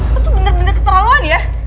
lu tuh bener bener keterlaluan ya